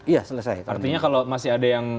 iya selesai artinya kalau masih ada yang